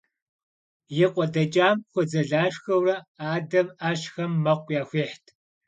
И къуэ дэкӏам хуэдзэлашхэурэ, адэм ӏэщхэм мэкъу яхуихьт.